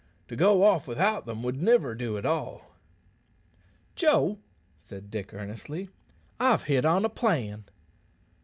To go off without them would niver do at all." "Joe," said Dick earnestly, "I've hit on a plan."